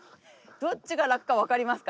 どっちが楽か分かりますか？